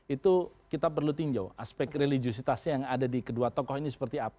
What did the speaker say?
itu kita perlu tinjau aspek religiositasnya yang ada di kedua tokoh ini seperti apa